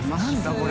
これ。